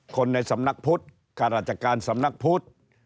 คนในสำนักพุทธข้าราชการสำนักพุทธ